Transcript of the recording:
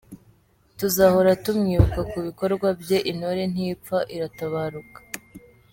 Tuzahora tumwibukira ku bikorwa bye, Intore ntipfa, iratabaruka.”